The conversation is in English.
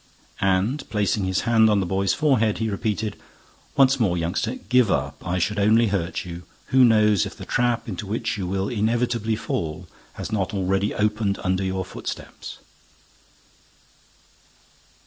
And, placing his hand on the boy's forehead, he repeated, "Once more, youngster, give up. I should only hurt you. Who knows if the trap into which you will inevitably fall has not already opened under your footsteps?"